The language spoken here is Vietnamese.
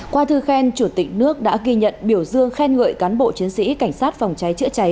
qua thư khen chủ tịch nước đã ghi nhận biểu dương khen ngợi cán bộ chiến sĩ cảnh sát phòng cháy chữa cháy